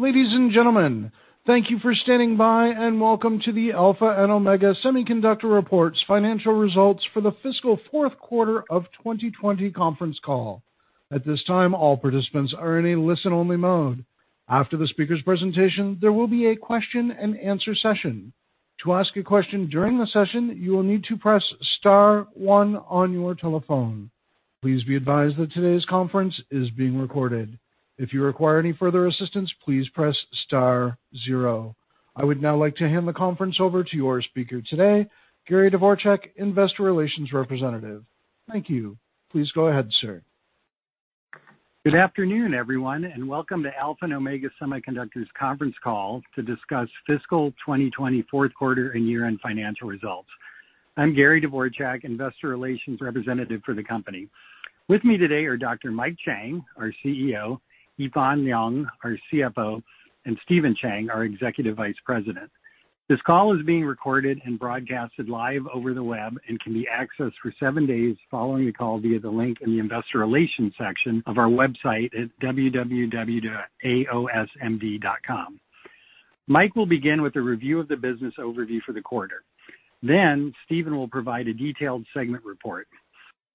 Ladies and gentlemen, thank you for standing by and welcome to the Alpha and Omega Semiconductor reports financial results for the fiscal fourth quarter of 2020 conference call. At this time, all participants are in a listen-only mode. After the speaker's presentation, there will be a question-and-answer session. To ask a question during the session, you will need to press star one on your telephone. Please be advised that today's conference is being recorded. If you require any further assistance, please press star zero. I would now like to hand the conference over to your speaker today, Gary Dvorchak, Investor Relations Representative. Thank you. Please go ahead, sir. Good afternoon, everyone, and welcome to Alpha and Omega Semiconductor's conference call to discuss fiscal 2020 fourth quarter and year-end financial results. I'm Gary Dvorchak, Investor Relations Representative for the company. With me today are Dr. Mike Chang, our CEO; Yifan Liang, our CFO; and Stephen Chang, our Executive Vice President. This call is being recorded and broadcasted live over the web and can be accessed for seven days following the call via the link in the investor relations section of our website at www.aosmd.com. Mike will begin with a review of the business overview for the quarter. Stephen will provide a detailed segment report.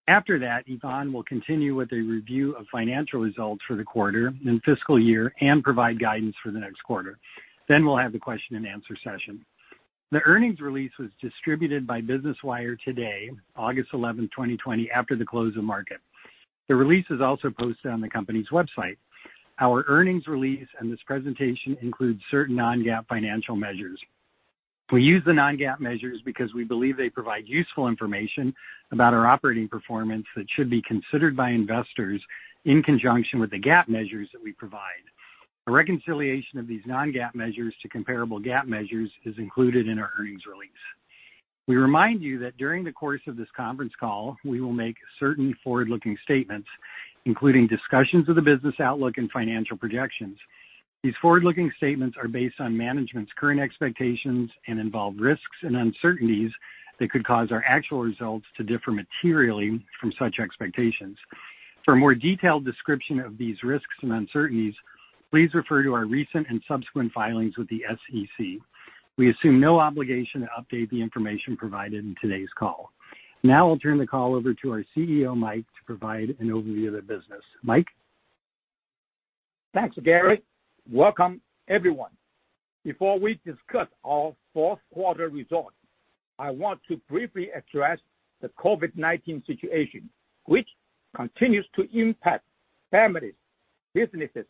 After that, Yifan will continue with a review of financial results for the quarter and fiscal year and provide guidance for the next quarter. We'll have the question-and-answer session. The earnings release was distributed by Business Wire today, August 11, 2020, after the close of market. The release is also posted on the company's website. Our earnings release and this presentation include certain non-GAAP financial measures. We use the non-GAAP measures because we believe they provide useful information about our operating performance that should be considered by investors in conjunction with the GAAP measures that we provide. A reconciliation of these non-GAAP measures to comparable GAAP measures is included in our earnings release. We remind you that during the course of this conference call, we will make certain forward-looking statements, including discussions of the business outlook and financial projections. These forward-looking statements are based on management's current expectations and involve risks and uncertainties that could cause our actual results to differ materially from such expectations. For a more detailed description of these risks and uncertainties, please refer to our recent and subsequent filings with the SEC. We assume no obligation to update the information provided in today's call. Now I'll turn the call over to our CEO, Mike, to provide an overview of the business. Mike? Thanks, Gary. Welcome, everyone. Before we discuss our fourth quarter results, I want to briefly address the COVID-19 situation, which continues to impact families, businesses,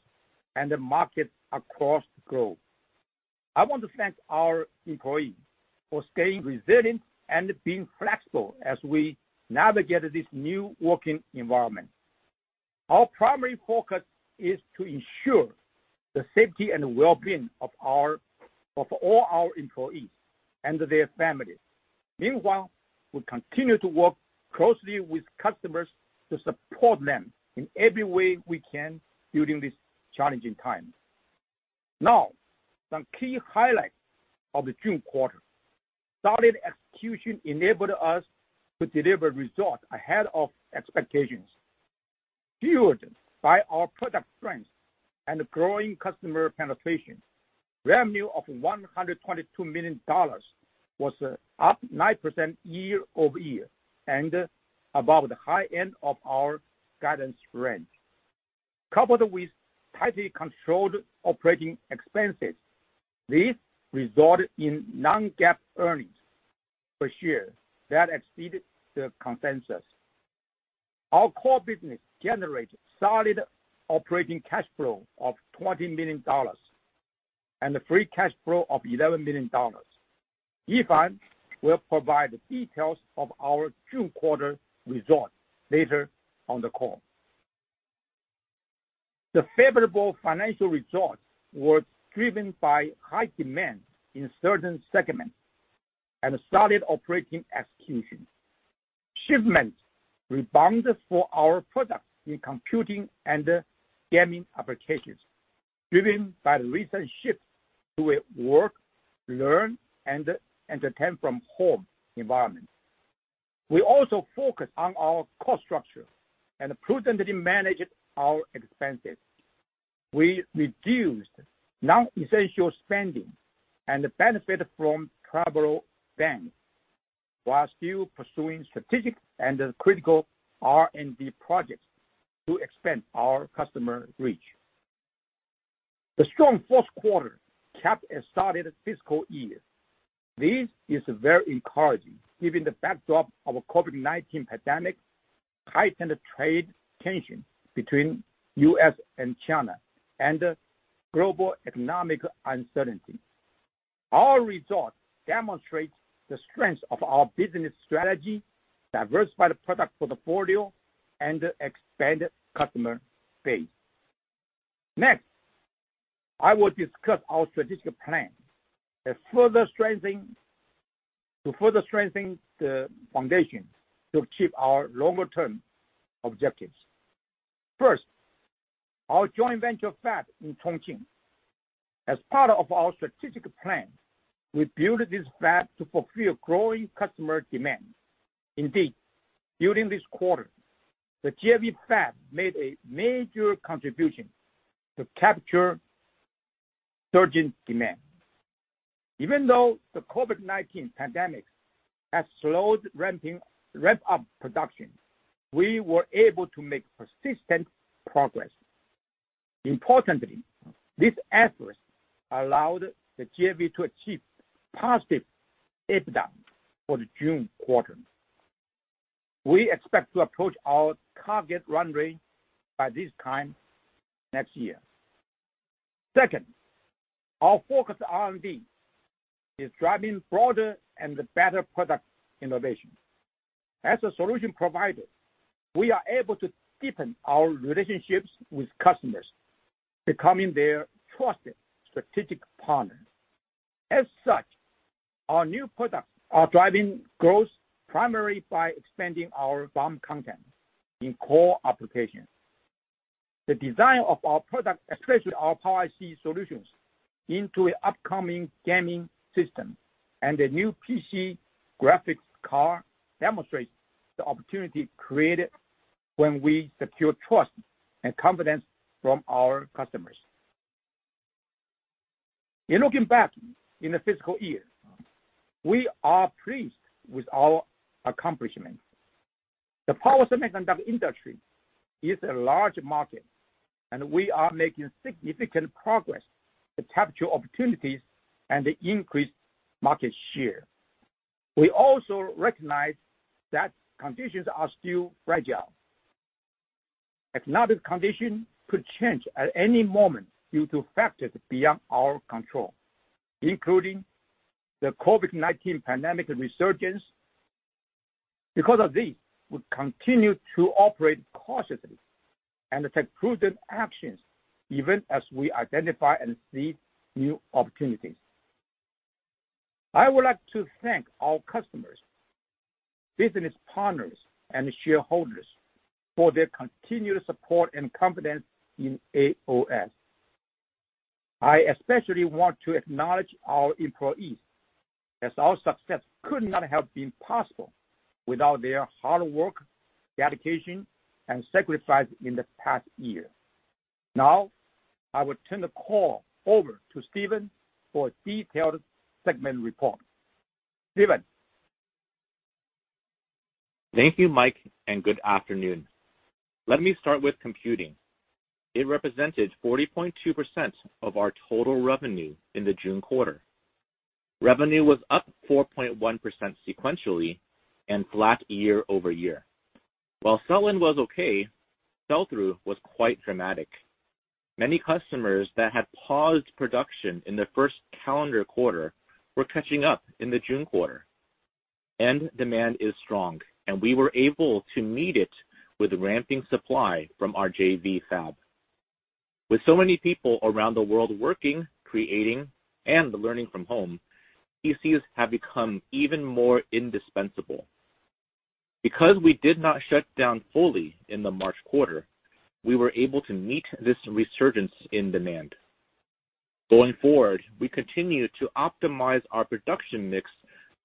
and the markets across the globe. I want to thank our employees for staying resilient and being flexible as we navigate this new working environment. Our primary focus is to ensure the safety and well-being of all our employees and their families. Meanwhile, we continue to work closely with customers to support them in every way we can during these challenging times. Now, some key highlights of the June quarter. Solid execution enabled us to deliver results ahead of expectations. Fueled by our product strength and growing customer penetration, revenue of $122 million was up 9% year-over-year and above the high end of our guidance range. Coupled with tightly controlled operating expenses, this resulted in non-GAAP earnings per share that exceeded the consensus. Our core business generated solid operating cash flow of $20 million and a free cash flow of $11 million. Yifan will provide the details of our June quarter results later on the call. The favorable financial results were driven by high demand in certain segments and solid operating execution. Shipments rebounded for our products in computing and gaming applications, driven by the recent shift to a work, learn, and entertain from home environment. We also focused on our cost structure and prudently managed our expenses. We reduced non-essential spending and benefit from travel bans while still pursuing strategic and critical R&D projects to expand our customer reach. The strong fourth quarter capped a solid fiscal year. This is very encouraging given the backdrop of COVID-19 pandemic, heightened trade tension between U.S. and China, and global economic uncertainty. Our results demonstrate the strength of our business strategy, diversified product portfolio, and expanded customer base. Next, I will discuss our strategic plan to further strengthen the foundation to achieve our longer-term objectives. First, our joint venture fab in Chongqing. As part of our strategic plan, we built this fab to fulfill growing customer demand. Indeed, during this quarter, the JV fab made a major contribution to capture surging demand. Even though the COVID-19 pandemic has slowed ramp-up production, we were able to make persistent progress. Importantly, these efforts allowed the JV to achieve positive EBITDA for the June quarter. We expect to approach our target run rate by this time next year. Second, our focused R&D is driving broader and better product innovation. As a solution provider, we are able to deepen our relationships with customers, becoming their trusted strategic partner. As such, our new products are driving growth primarily by expanding our BOM content in core applications. The design of our product, especially our Power IC solutions, into an upcoming gaming system and a new PC graphics card demonstrates the opportunity created when we secure trust and confidence from our customers. In looking back in the fiscal year, we are pleased with our accomplishments. The power semiconductor industry is a large market, and we are making significant progress to capture opportunities and increase market share. We also recognize that conditions are still fragile. Economic conditions could change at any moment due to factors beyond our control, including the COVID-19 pandemic resurgence. Because of this, we continue to operate cautiously and take prudent actions even as we identify and seize new opportunities. I would like to thank all customers, business partners, and shareholders for their continued support and confidence in AOS. I especially want to acknowledge our employees, as our success could not have been possible without their hard work, dedication, and sacrifice in the past year. I will turn the call over to Stephen for a detailed segment report. Stephen? Thank you, Mike, and good afternoon. Let me start with Computing. It represented 40.2% of our total revenue in the June quarter. Revenue was up 4.1% sequentially and flat year-over-year. While sell-in was okay, sell-through was quite dramatic. Many customers that had paused production in the first calendar quarter were catching up in the June quarter. End demand is strong, and we were able to meet it with ramping supply from our JV fab. With so many people around the world working, creating, and learning from home, PCs have become even more indispensable. Because we did not shut down fully in the March quarter, we were able to meet this resurgence in demand. Going forward, we continue to optimize our production mix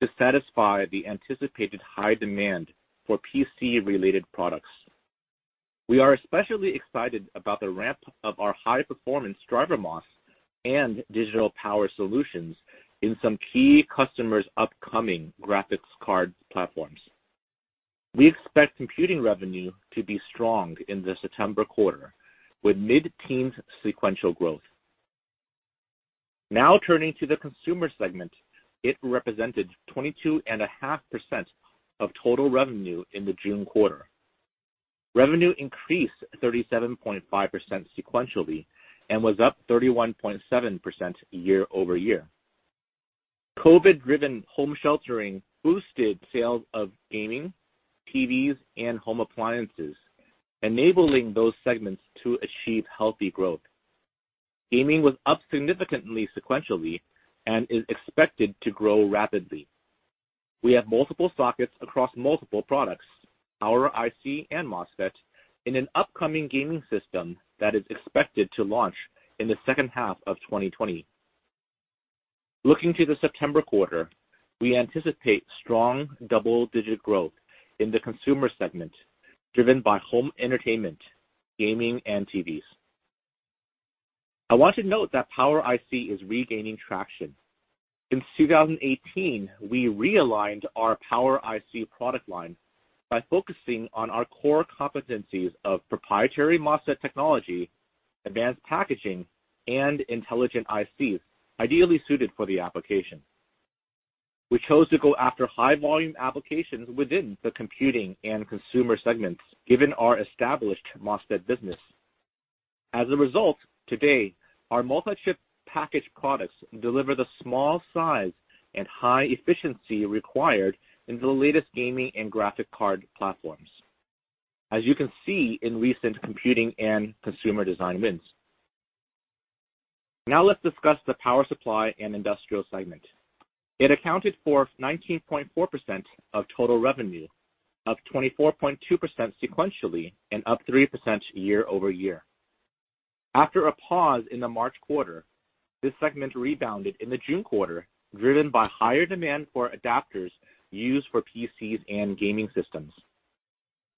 to satisfy the anticipated high demand for PC-related products. We are especially excited about the ramp of our high-performance DrMOS and Digital Power solutions in some key customers' upcoming graphics card platforms. We expect Computing revenue to be strong in the September quarter with mid-teens sequential growth. Now turning to the Consumer segment. It represented 22.5% of total revenue in the June quarter. Revenue increased 37.5% sequentially and was up 31.7% year-over-year. COVID-driven home sheltering boosted sales of gaming, TVs, and home appliances, enabling those segments to achieve healthy growth. Gaming was up significantly sequentially and is expected to grow rapidly. We have multiple sockets across multiple products, Power IC and MOSFET, in an upcoming gaming system that is expected to launch in the second half of 2020. Looking to the September quarter, we anticipate strong double-digit growth in the Consumer segment, driven by home entertainment, gaming, and TVs. I want to note that Power IC is regaining traction. In 2018, we realigned our Power IC product line by focusing on our core competencies of proprietary MOSFET technology, advanced packaging, and intelligent ICs ideally suited for the application. We chose to go after high-volume applications within the Computing and Consumer segments, given our established MOSFET business. As a result, today, our multi-chip package products deliver the small size and high efficiency required in the latest gaming and graphic card platforms, as you can see in recent Computing and Consumer design wins. Now, let's discuss the Power Supply and Industrial segment. It accounted for 19.4% of total revenue, up 24.2% sequentially and up 3% year-over-year. After a pause in the March quarter, this segment rebounded in the June quarter, driven by higher demand for adapters used for PCs and gaming systems.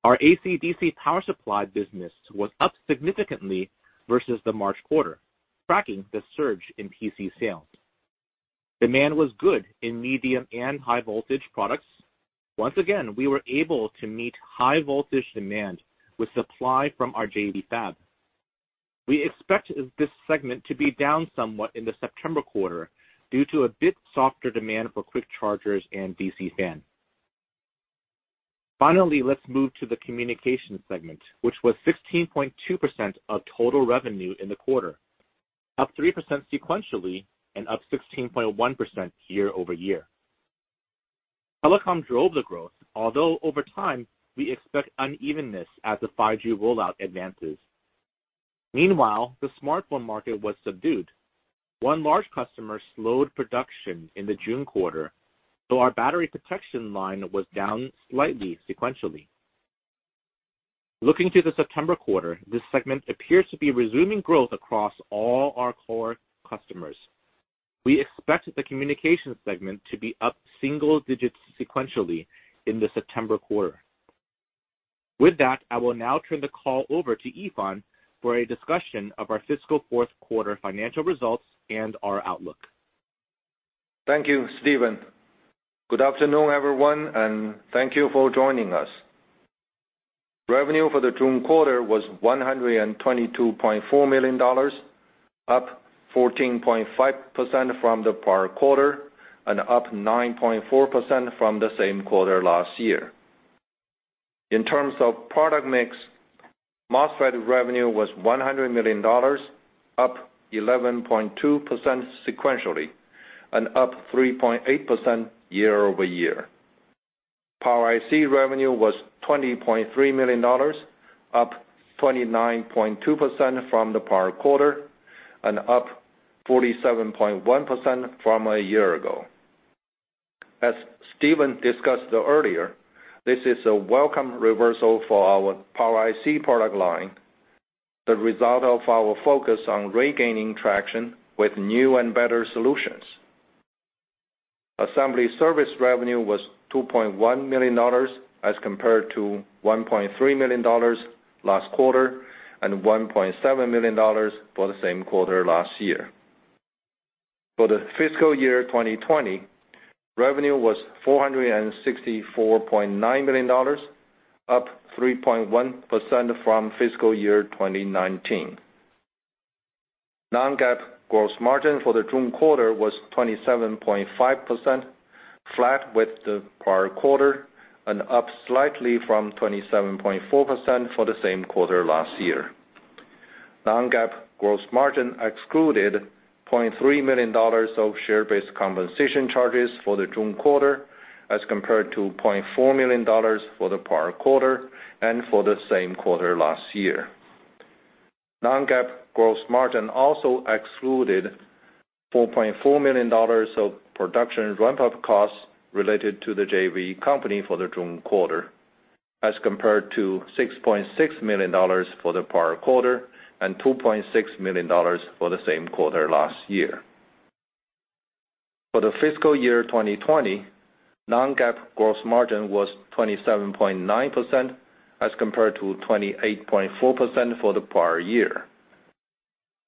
Our AC-DC Power Supply business was up significantly versus the March quarter, tracking the surge in PC sales. Demand was good in medium and high voltage products. Once again, we were able to meet high voltage demand with supply from our JV fab. We expect this segment to be down somewhat in the September quarter due to a bit softer demand for quick chargers and DC fan. Finally, let's move to the Communication segment, which was 16.2% of total revenue in the quarter, up 3% sequentially and up 16.1% year-over-year. Telecom drove the growth, although over time we expect unevenness as the 5G rollout advances. Meanwhile, the smartphone market was subdued. One large customer slowed production in the June quarter, so our battery protection line was down slightly sequentially. Looking to the September quarter, this segment appears to be resuming growth across all our core customers. We expect the Communication segment to be up single digits sequentially in the September quarter. With that, I will now turn the call over to Yifan for a discussion of our fiscal fourth quarter financial results and our outlook. Thank you, Stephen. Good afternoon, everyone, and thank you for joining us. Revenue for the June quarter was $122.4 million, up 14.5% from the prior quarter and up 9.4% from the same quarter last year. In terms of product mix, MOSFET revenue was $100 million, up 11.2% sequentially and up 3.8% year-over-year. Power IC revenue was $20.3 million, up 29.2% from the prior quarter and up 47.1% from a year ago. As Stephen discussed earlier, this is a welcome reversal for our Power IC product line, the result of our focus on regaining traction with new and better solutions. Assembly service revenue was $2.1 million as compared to $1.3 million last quarter and $1.7 million for the same quarter last year. For the fiscal year 2020, revenue was $464.9 million, up 3.1% from fiscal year 2019. Non-GAAP gross margin for the June quarter was 27.5%, flat with the prior quarter and up slightly from 27.4% for the same quarter last year. Non-GAAP gross margin excluded $0.3 million of share-based compensation charges for the June quarter as compared to $0.4 million for the prior quarter and for the same quarter last year. Non-GAAP gross margin also excluded $4.4 million of production ramp-up costs related to the JV company for the June quarter, as compared to $6.6 million for the prior quarter and $2.6 million for the same quarter last year. For the FY 2020, non-GAAP gross margin was 27.9% as compared to 28.4% for the prior year.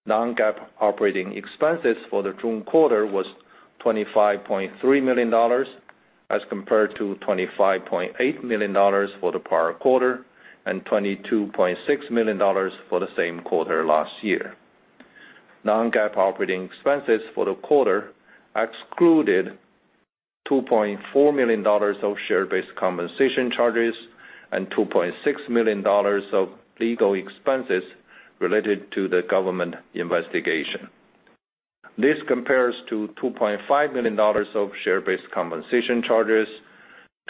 Non-GAAP operating expenses for the June quarter was $25.3 million, as compared to $25.8 million for the prior quarter and $22.6 million for the same quarter last year. Non-GAAP operating expenses for the quarter excluded $2.4 million of share-based compensation charges and $2.6 million of legal expenses related to the government investigation. This compares to $2.5 million of share-based compensation charges,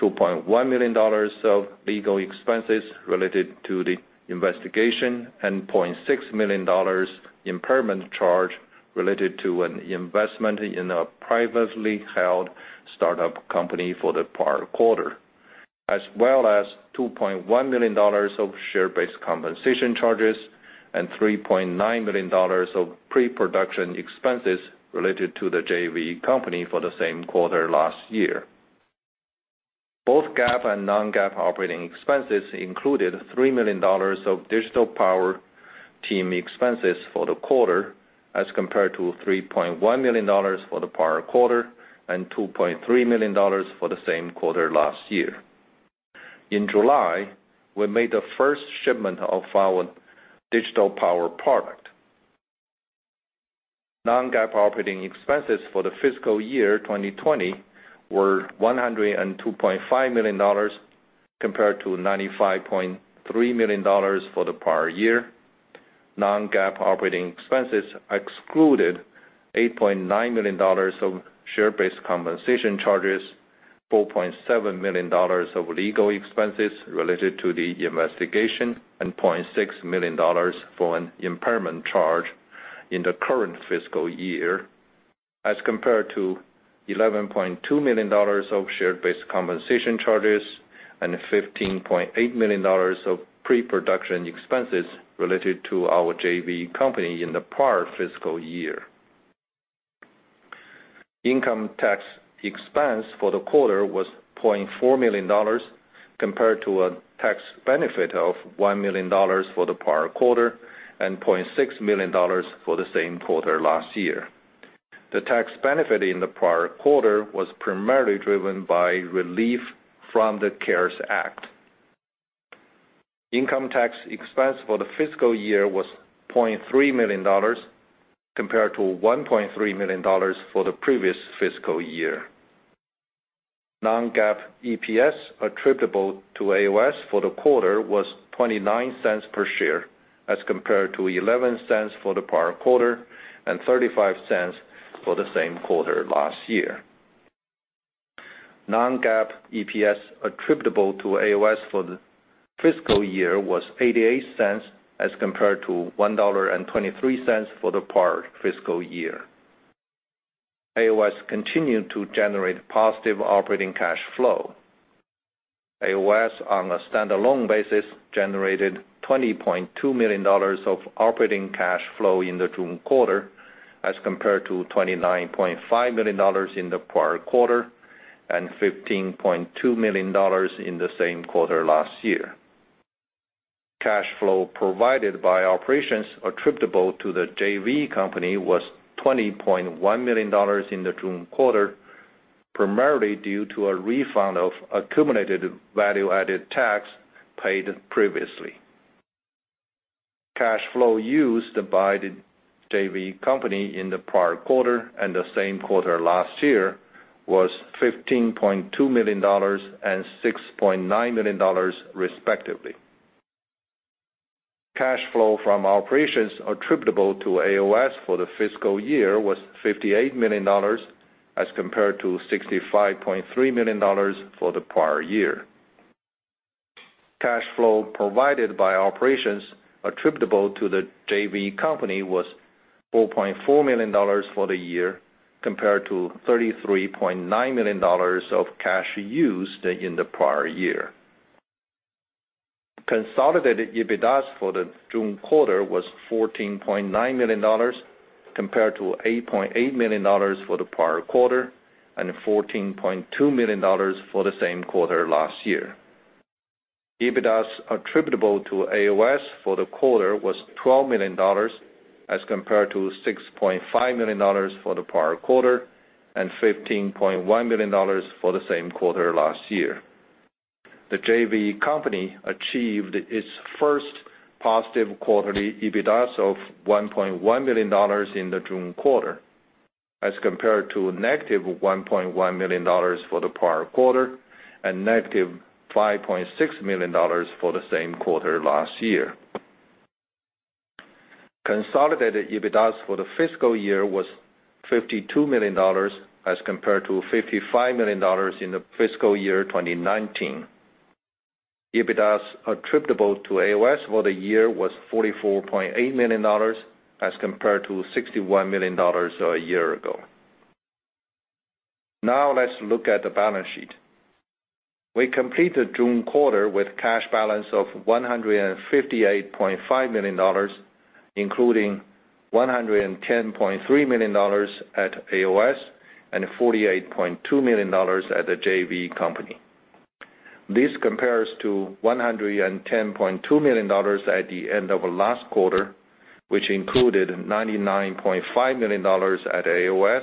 $2.1 million of legal expenses related to the investigation, and $0.6 million impairment charge related to an investment in a privately held startup company for the prior quarter, as well as $2.1 million of share-based compensation charges and $3.9 million of pre-production expenses related to the JV company for the same quarter last year. Both GAAP and non-GAAP operating expenses included $3 million of Digital Power team expenses for the quarter, as compared to $3.1 million for the prior quarter and $2.3 million for the same quarter last year. In July, we made the first shipment of our Digital Power product. Non-GAAP operating expenses for the fiscal year 2020 were $102.5 million, compared to $95.3 million for the prior year. Non-GAAP operating expenses excluded $8.9 million of share-based compensation charges, $4.7 million of legal expenses related to the investigation, and $0.6 million for an impairment charge in the current fiscal year, as compared to $11.2 million of share-based compensation charges and $15.8 million of pre-production expenses related to our JV company in the prior fiscal year. Income tax expense for the quarter was $0.4 million compared to a tax benefit of $1 million for the prior quarter and $0.6 million for the same quarter last year. The tax benefit in the prior quarter was primarily driven by relief from the CARES Act. Income tax expense for the fiscal year was $0.3 million compared to $1.3 million for the previous fiscal year. Non-GAAP EPS attributable to AOS for the quarter was $0.29 per share as compared to $0.11 for the prior quarter and $0.35 for the same quarter last year. Non-GAAP EPS attributable to AOS for the fiscal year was $0.88 as compared to $1.23 for the prior fiscal year. AOS continued to generate positive operating cash flow. AOS, on a standalone basis, generated $20.2 million of operating cash flow in the June quarter, as compared to $29.5 million in the prior quarter and $15.2 million in the same quarter last year. Cash flow provided by operations attributable to the JV company was $20.1 million in the June quarter, primarily due to a refund of accumulated value-added tax paid previously. Cash flow used by the JV company in the prior quarter and the same quarter last year was $15.2 million and $6.9 million, respectively. Cash flow from operations attributable to AOS for the fiscal year was $58 million as compared to $65.3 million for the prior year. Cash flow provided by operations attributable to the JV company was $4.4 million for the year compared to $33.9 million of cash used in the prior year. Consolidated EBITDA for the June quarter was $14.9 million compared to $8.8 million for the prior quarter and $14.2 million for the same quarter last year. EBITDA attributable to AOS for the quarter was $12 million as compared to $6.5 million for the prior quarter and $15.1 million for the same quarter last year. The JV company achieved its first positive quarterly EBITDA of $1.1 million in the June quarter as compared to -$1.1 million for the prior quarter and -$5.6 million for the same quarter last year. Consolidated EBITDA for the fiscal year was $52 million as compared to $55 million in the fiscal year 2019. EBITDAattributable to AOS for the year was $44.8 million as compared to $61 million a year ago. Let's look at the balance sheet. We completed June quarter with cash balance of $158.5 million, including $110.3 million at AOS and $48.2 million at the JV company. This compares to $110.2 million at the end of last quarter, which included $99.5 million at AOS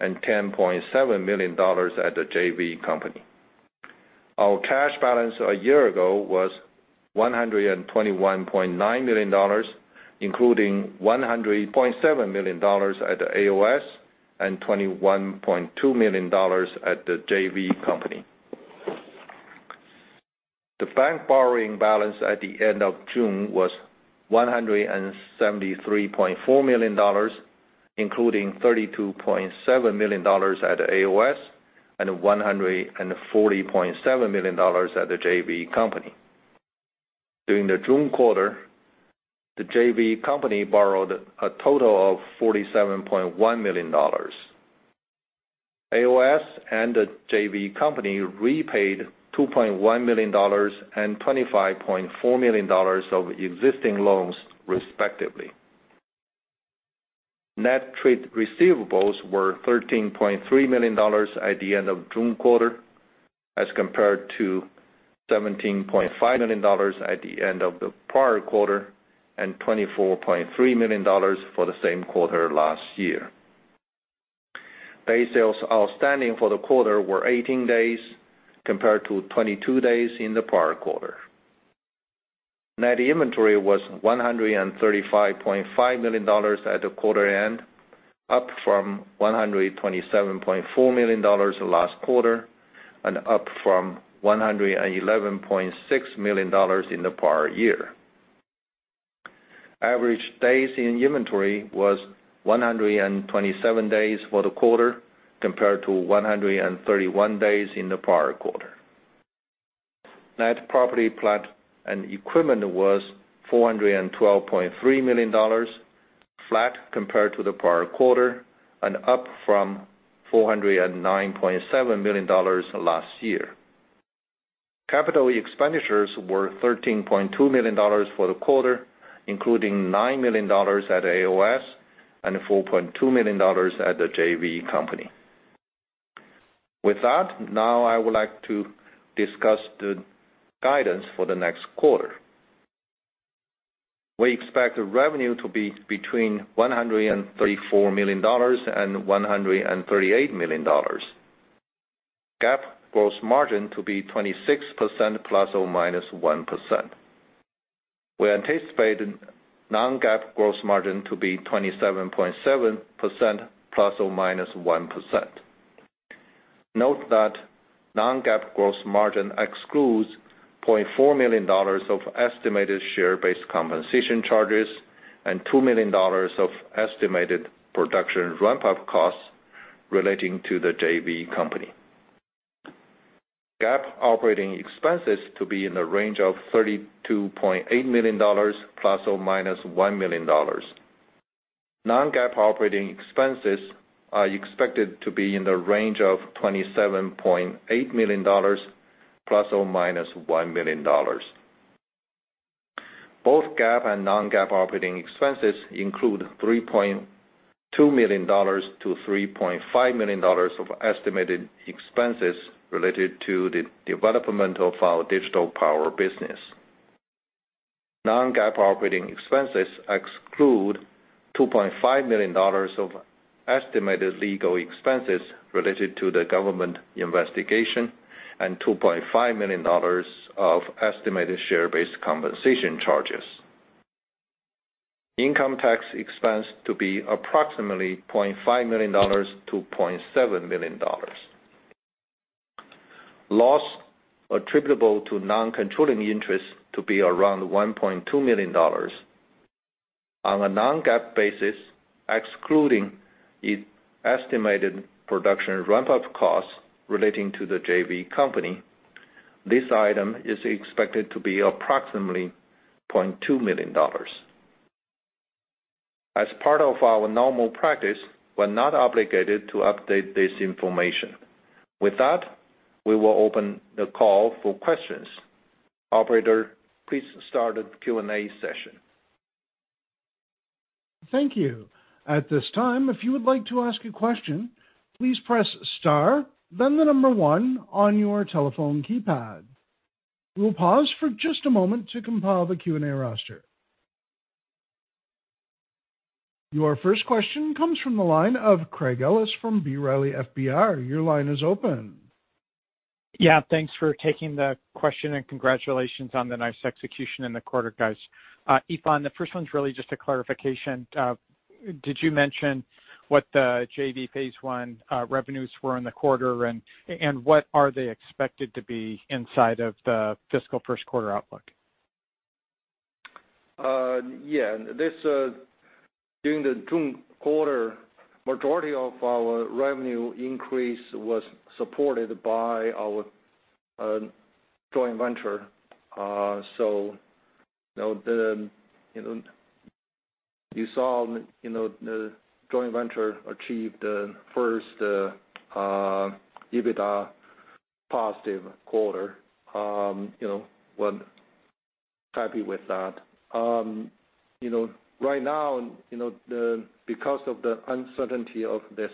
and $10.7 million at the JV company. Our cash balance a year ago was $121.9 million, including $100.7 million at AOS and $21.2 million at the JV company. The bank borrowing balance at the end of June was $173.4 million, including $32.7 million at AOS and $140.7 million at the JV company. During the June quarter, the JV company borrowed a total of $47.1 million. AOS and the JV company repaid $2.1 million and $25.4 million of existing loans, respectively. Net trade receivables were $13.3 million at the end of June quarter as compared to $17.5 million at the end of the prior quarter and $24.3 million for the same quarter last year. Day sales outstanding for the quarter were 18 days compared to 22 days in the prior quarter. Net inventory was $135.5 million at the quarter's end, up from $127.4 million last quarter and up from $111.6 million in the prior year. Average days in inventory was 127 days for the quarter compared to 131 days in the prior quarter. Net property, plant, and equipment was $412.3 million, flat compared to the prior quarter, and up from $409.7 million last year. Capital expenditures were $13.2 million for the quarter, including $9 million at AOS and $4.2 million at the JV company. With that, now I would like to discuss the guidance for the next quarter. We expect the revenue to be between $134 million and $138 million. GAAP gross margin to be 26% ±1%. We anticipate non-GAAP gross margin to be 27.7% ±1%. Note that non-GAAP gross margin excludes $0.4 million of estimated share-based compensation charges and $2 million of estimated production ramp-up costs relating to the JV company. GAAP operating expenses to be in the range of $32.8 million ±$1 million. Non-GAAP operating expenses are expected to be in the range of $27.8 million ± $1 million. Both GAAP and non-GAAP operating expenses include $3.2 million-$3.5 million of estimated expenses related to the development of our Digital Power business. Non-GAAP operating expenses exclude $2.5 million of estimated legal expenses related to the government investigation and $2.5 million of estimated share-based compensation charges. Income tax expense to be approximately $0.5 million-$0.7 million. Loss attributable to non-controlling interests to be around $1.2 million. On a non-GAAP basis, excluding estimated production ramp-up costs relating to the JV company, this item is expected to be approximately $0.2 million. As part of our normal practice, we're not obligated to update this information. With that, we will open the call for questions. Operator, please start the Q&A session. Thank you. Your first question comes from the line of Craig Ellis from B. Riley FBR. Your line is open. Yeah, thanks for taking the question, and congratulations on the nice execution in the quarter, guys. Yifan, the first one's really just a clarification. Did you mention what the JV phase 1 revenues were in the quarter, and what are they expected to be inside of the fiscal first quarter outlook? During the June quarter, majority of our revenue increase was supported by our joint venture. You saw the joint venture achieved first EBITDA positive quarter. We're happy with that. Right now, because of the uncertainty of this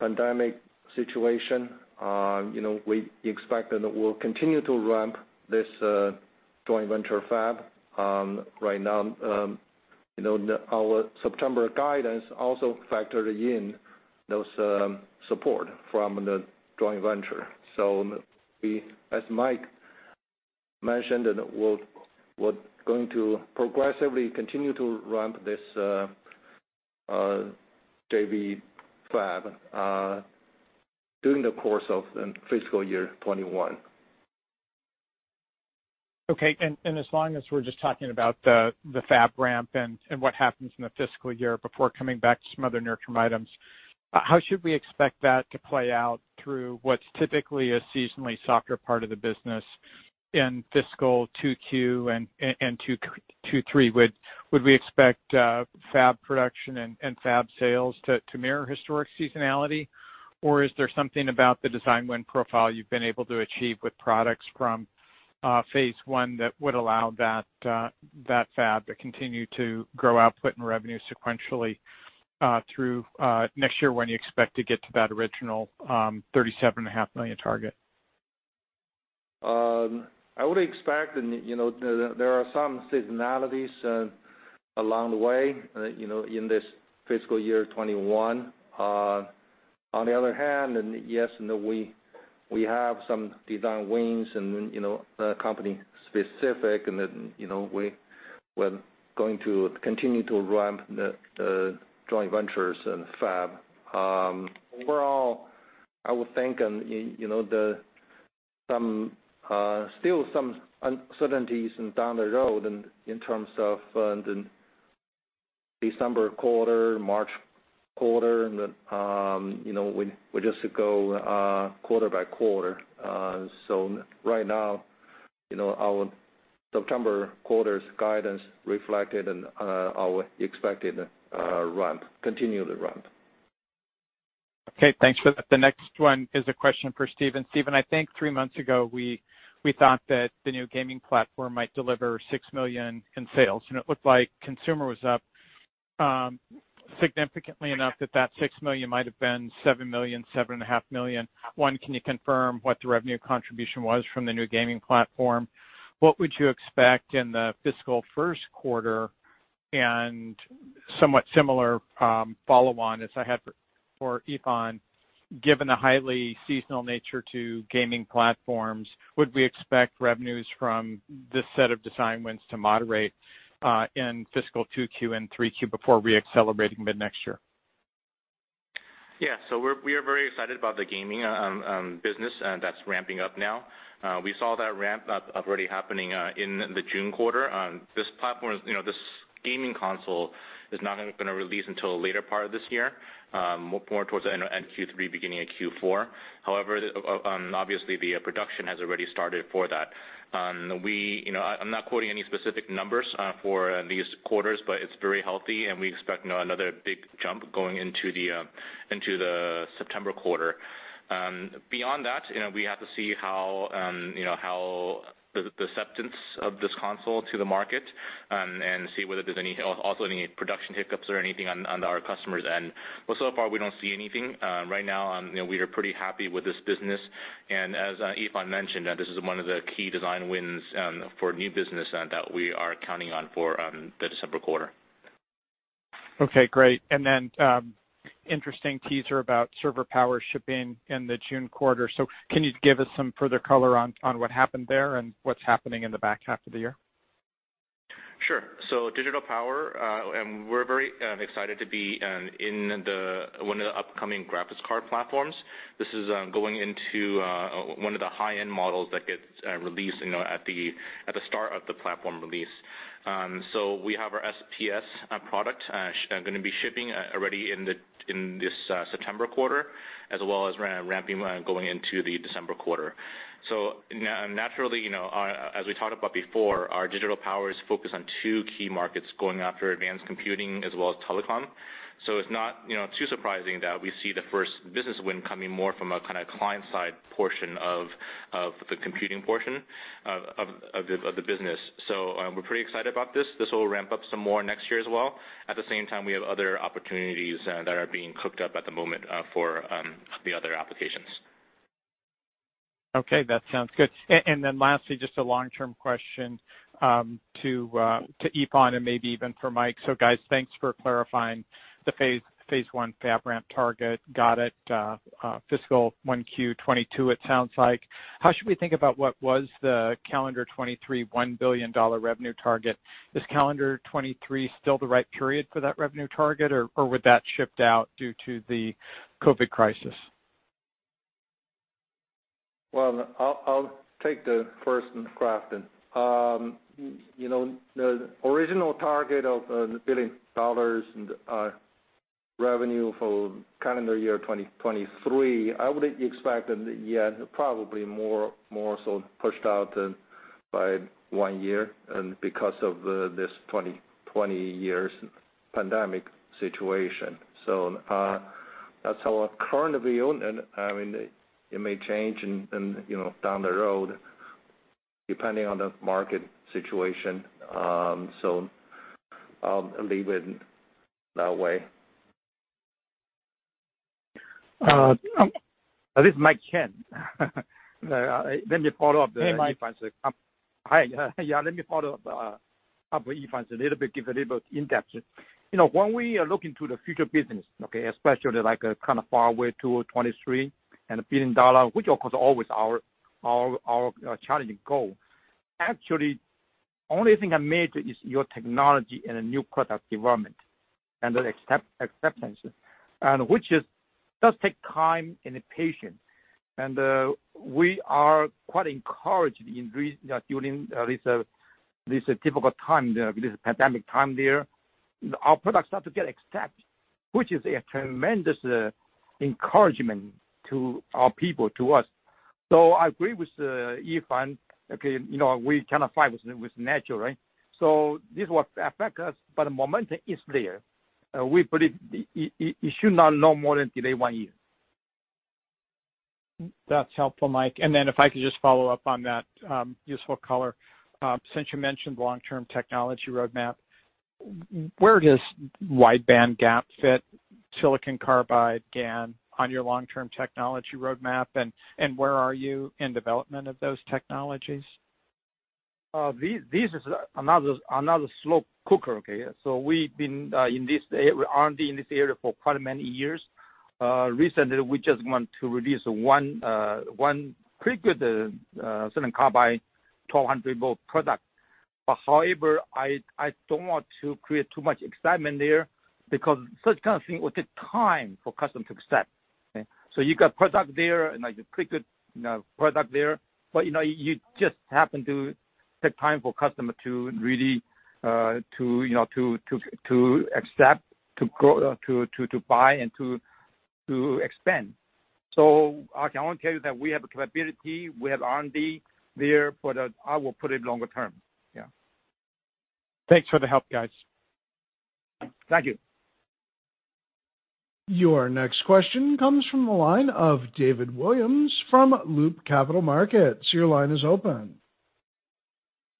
pandemic situation, we expect that we'll continue to ramp this joint venture fab. Right now, our September guidance also factored in those support from the joint venture. As Mike mentioned, we're going to progressively continue to ramp this JV fab during the course of fiscal year 2021. Okay. As long as we're just talking about the fab ramp and what happens in the fiscal year before coming back to some other near-term items, how should we expect that to play out through what's typically a seasonally softer part of the business in fiscal 2Q and Q3? Would we expect fab production and fab sales to mirror historic seasonality, or is there something about the design win profile you've been able to achieve with products from phase 1 that would allow that fab to continue to grow output and revenue sequentially through next year when you expect to get to that original $37.5 million target? I would expect there are some seasonalities along the way in this fiscal year 2021. On the other hand, yes, we have some design wins and the company specific, and then we're going to continue to ramp the joint ventures and fab. Overall, I would think there some uncertainties down the road in terms of the December quarter, March quarter, and then we just go quarter by quarter. Right now, our September quarter's guidance reflected in our expected continued ramp. Okay, thanks for that. The next one is a question for Stephen. Stephen, I think three months ago, we thought that the new gaming platform might deliver $6 million in sales, and it looked like Consumer was up significantly enough that that $6 million might've been $7 million, seven and a half million. One, can you confirm what the revenue contribution was from the new gaming platform? What would you expect in the fiscal first quarter? Somewhat similar follow-on, as I had for Yifan, given the highly seasonal nature to gaming platforms, would we expect revenues from this set of design wins to moderate in fiscal Q2 and Q3 before re-accelerating mid-next year? Yeah. We are very excited about the gaming business that's ramping up now. We saw that ramp up already happening in the June quarter. This gaming console is not going to release until the later part of this year, more towards the end of Q3, beginning of Q4. However, obviously, the production has already started for that. I'm not quoting any specific numbers for these quarters, but it's very healthy, and we expect another big jump going into the September quarter. Beyond that, we have to see how the acceptance of this console to the market and see whether there's also any production hiccups or anything on our customers' end. So far, we don't see anything. Right now, we are pretty happy with this business, and as Yifan mentioned, this is one of the key design wins for new business that we are counting on for the December quarter. Okay, great. Interesting teaser about Digital Power shipping in the June quarter. Can you give us some further color on what happened there and what's happening in the back half of the year? Sure. Digital power, we're very excited to be in one of the upcoming graphics card platforms. This is going into one of the high-end models that gets released at the start of the platform release. We have our SPS product going to be shipping already in this September quarter, as well as ramping going into the December quarter. Naturally, as we talked about before, our Digital Power is focused on two key markets going after advanced Computing as well as telecom. It's not too surprising that we see the first business win coming more from a kind of client side portion of the Computing portion of the business. We're pretty excited about this. This will ramp up some more next year as well. At the same time, we have other opportunities that are being cooked up at the moment for the other applications. Okay, that sounds good. Lastly, just a long-term question to Yifan and maybe even for Mike. Guys, thanks for clarifying the phase one fab ramp target. Got it. Fiscal 1Q22 it sounds like. How should we think about what was the calendar 2023 $1 billion revenue target? Is calendar 2023 still the right period for that revenue target, or would that shift out due to the COVID-19 crisis? Well, I'll take the first crack then. The original target of $1 billion revenue for calendar year 2023, I would expect that, yeah, probably more so pushed out by one year and because of this 2020 year's pandemic situation. That's our current view and it may change down the road, depending on the market situation. I'll leave it that way. This is Mike Chang. Hey, Mike. Hi. Yeah. Let me follow up with Yifan a little bit, give a little bit in-depth. When we are looking to the future business, okay, especially like kind of far away to 2023 and a $1 billion, which, of course, always our challenging goal. Actually, only thing that matters is your technology and the new product development and the acceptance, which it does take time and patience. We are quite encouraged during this difficult time, this pandemic time there. Our products start to get accepted, which is a tremendous encouragement to our people, to us. I agree with Yifan. Okay, we kind of fight with nature, right? This will affect us, but the momentum is there. We believe it should not longer more than delay one year. That's helpful, Mike. If I could just follow up on that useful color. Since you mentioned long-term technology roadmap, where does wide bandgap fit, silicon carbide, GaN, on your long-term technology roadmap, and where are you in development of those technologies? This is another slow cooker, okay. We've been R&D-ing this area for quite many years. Recently, we just want to release one pretty good silicon carbide 1,200 volt product. However, I don't want to create too much excitement there. Because such kind of thing will take time for customers to accept. Okay? You got product there, and you picked the product there, but you just happen to take time for customer to really accept, to buy and to expand. I can only tell you that we have the capability, we have R&D there for the, I will put it, longer term. Yeah. Thanks for the help, guys. Thank you. Your next question comes from the line of David Williams from Loop Capital Markets. Your line is open.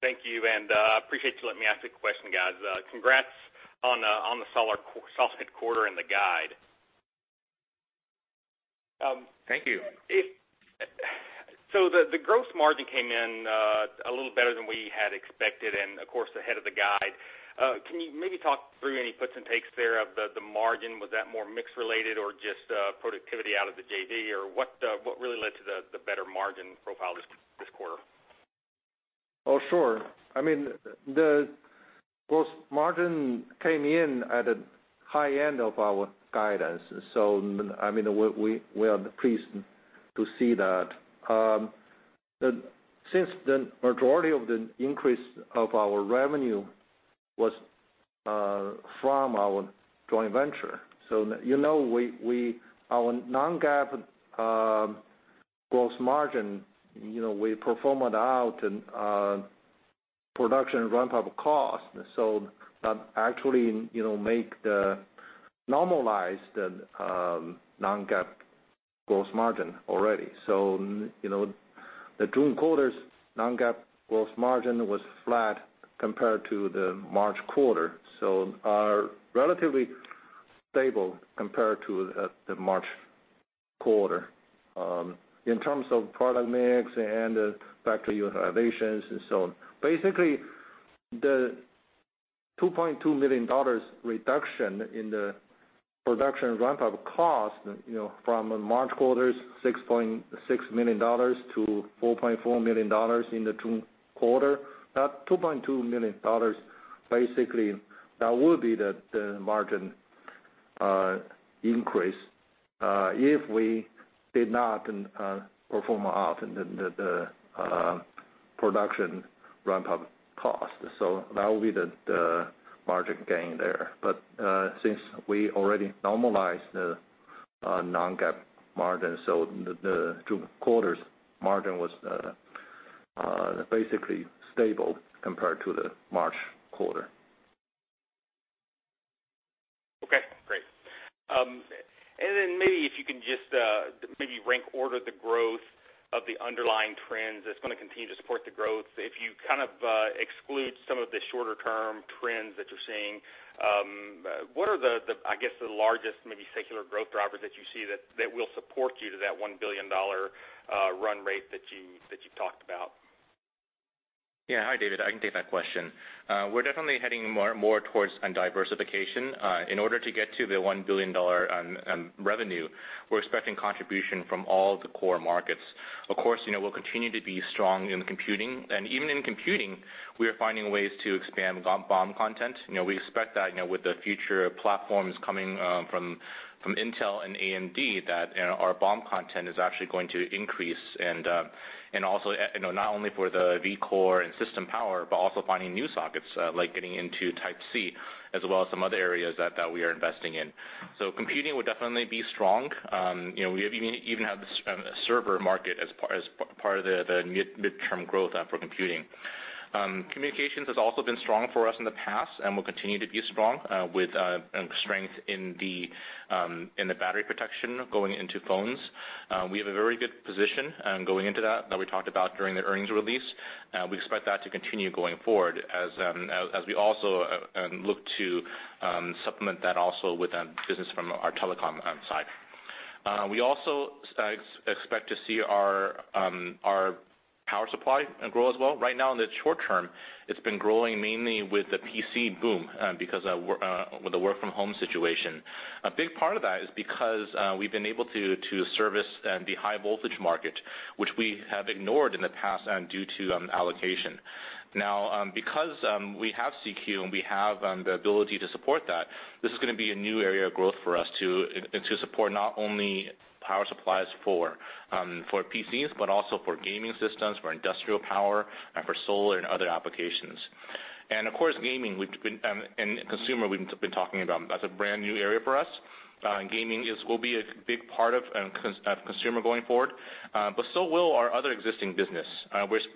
Thank you. Appreciate you letting me ask a question, guys. Congrats on the solid quarter and the guide. Thank you. The gross margin came in a little better than we had expected and, of course, ahead of the guide. Can you maybe talk through any puts and takes there of the margin? Was that more mix related or just productivity out of the JV or what really led to the better margin profile this quarter? Sure. The gross margin came in at the high end of our guidance. We are pleased to see that. Since the majority of the increase of our revenue was from our joint venture. Our non-GAAP gross margin, we pro forma it out and production ramp-up cost. That actually make the normalized non-GAAP gross margin already. The June quarter's non-GAAP gross margin was flat compared to the March quarter. Are relatively stable compared to the March quarter. In terms of product mix and factory utilizations and so on. Basically, the $2.2 million reduction in the production ramp-up cost from March quarter's $6.6 million to $4.4 million in the June quarter. That $2.2 million, basically, that would be the margin increase, if we did not pro forma out the production ramp-up cost. That would be the margin gain there. Since we already normalized the non-GAAP margin, so the June quarter's margin was basically stable compared to the March quarter. Okay, great. Then maybe if you can just maybe rank order the growth of the underlying trends that's going to continue to support the growth. If you kind of exclude some of the shorter term trends that you're seeing, what are the, I guess the largest, maybe secular growth drivers that you see that will support you to that $1 billion run rate that you've talked about? Yeah. Hi, David. I can take that question. We're definitely heading more towards diversification. In order to get to the $1 billion revenue, we're expecting contribution from all the core markets. Of course, we'll continue to be strong in Computing. Even in Computing, we are finding ways to expand BOM content. We expect that with the future platforms coming from Intel and AMD, that our BOM content is actually going to increase, also not only for the Vcore and system power, but also finding new sockets, like getting into Type-C as well as some other areas that we are investing in. Computing will definitely be strong. We even have the server market as part of the midterm growth for Computing. Communications has also been strong for us in the past and will continue to be strong with strength in the battery protection going into phones. We have a very good position going into that we talked about during the earnings release. We expect that to continue going forward as we also look to supplement that also with business from our telecom side. We also expect to see our Power Supply grow as well. Right now, in the short term, it has been growing mainly with the PC BOM, because with the work from home situation. A big part of that is because we have been able to service the high voltage market, which we have ignored in the past due to allocation. Now, because we have CQ and we have the ability to support that, this is going to be a new area of growth for us to support not only power supplies for PCs, but also for gaming systems, for industrial power, and for solar and other applications. Of course, Gaming and Consumer, we've been talking about, that's a brand new area for us. Gaming will be a big part of Consumer going forward. So will our other existing business.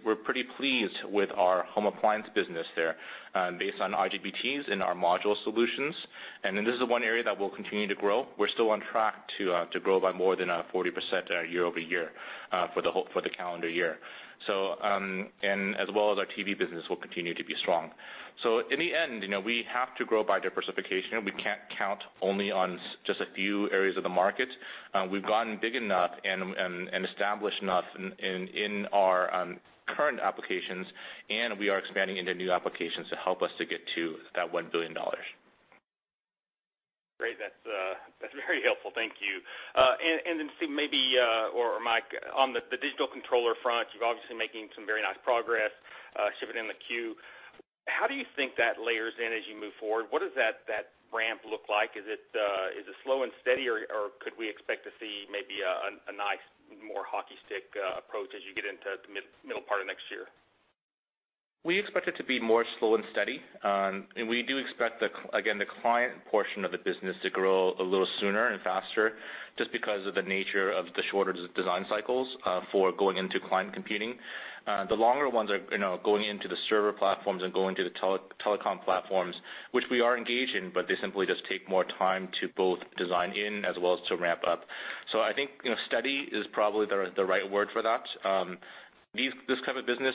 We're pretty pleased with our home appliance business there, based on IGBTs and our module solutions. This is one area that will continue to grow. We're still on track to grow by more than 40% year-over-year for the calendar year. As well as our TV business will continue to be strong. In the end, we have to grow by diversification. We can't count only on just a few areas of the market. We've gotten big enough and established enough in our current applications, and we are expanding into new applications to help us to get to that $1 billion. Great. That's very helpful. Thank you. Stephen, maybe, or Mike, on the digital controller front, you're obviously making some very nice progress, shipping in the queue. How do you think that layers in as you move forward? What does that ramp look like? Is it slow and steady, or could we expect to see maybe a nice more hockey stick approach as you get into the middle part of next year? We expect it to be more slow and steady. We do expect, again, the client portion of the business to grow a little sooner and faster just because of the nature of the shorter design cycles for going into client Computing. The longer ones are going into the server platforms and going to the telecom platforms, which we are engaged in, but they simply just take more time to both design in as well as to ramp up. I think steady is probably the right word for that. This kind of business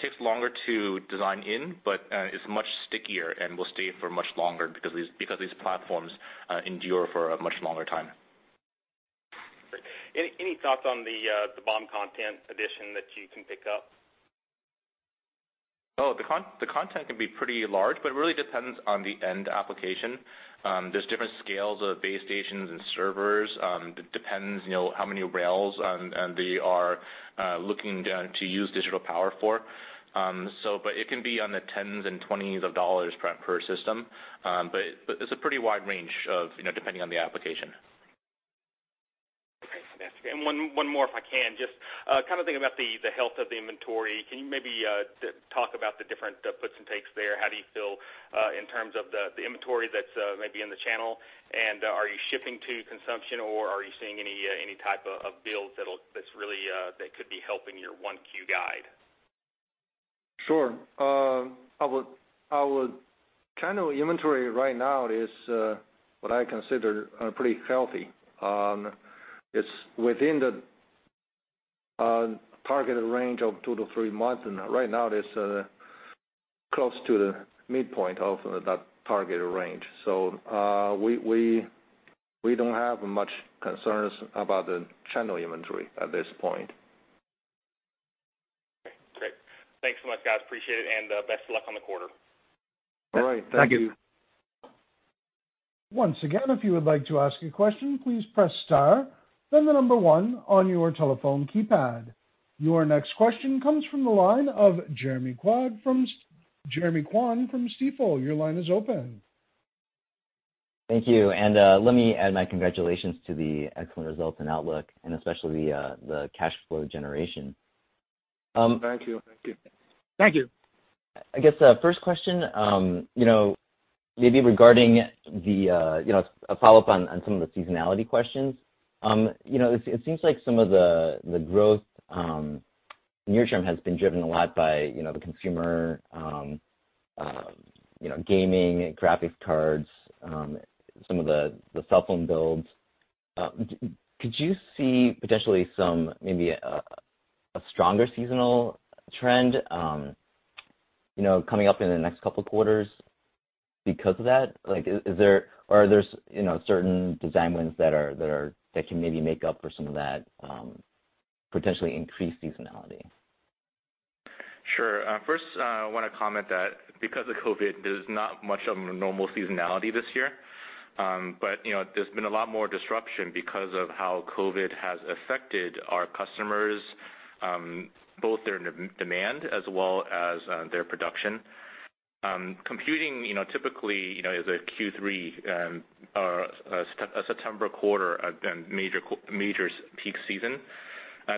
takes longer to design in, but is much stickier and will stay for much longer because these platforms endure for a much longer time. Great. Any thoughts on the BOM content addition that you can pick up? Oh, the content can be pretty large, but it really depends on the end application. There's different scales of base stations and servers. It depends how many rails they are looking to use Digital Power for. It can be on the tens and twenties of dollars per system. It's a pretty wide range depending on the application. Okay, fantastic. One more, if I can, just thinking about the health of the inventory, can you maybe talk about the different puts and takes there? How do you feel in terms of the inventory that's maybe in the channel, and are you shipping to consumption, or are you seeing any type of builds that could be helping your 1Q guide? Sure. Our channel inventory right now is what I consider pretty healthy. It's within the targeted range of two to three months, and right now it is close to the midpoint of that targeted range. We don't have much concerns about the channel inventory at this point. Okay, great. Thanks so much, guys. Appreciate it, and best of luck on the quarter. All right. Thank you. Thank you. Once again, if you would like to ask a question, please press star, then the number one on your telephone keypad. Your next question comes from the line of Jeremy Kwan from Stifel. Your line is open. Thank you, and let me add my congratulations to the excellent results and outlook, and especially the cash flow generation. Thank you. Thank you. I guess first question, maybe regarding a follow-up on some of the seasonality questions. It seems like some of the growth near term has been driven a lot by the Consumer, Gaming, graphics card, some of the cell phone builds. Could you see potentially maybe a stronger seasonal trend coming up in the next couple of quarters because of that? Are there certain design wins that can maybe make up for some of that potentially increased seasonality? Sure. First, I want to comment that because of COVID-19, there's not much of a normal seasonality this year. There's been a lot more disruption because of how COVID has affected our customers, both their demand as well as their production. Computing typically is a Q3 or a September quarter major peak season.